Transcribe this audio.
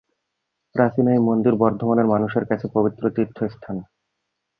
প্রাচীন এই মন্দির বর্ধমানের মানুষের কাছে পবিত্র তীর্থস্থান।